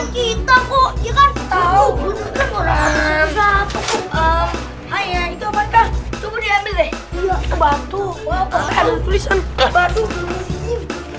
kita kok bisa tahu craft hehehe ber consecutusi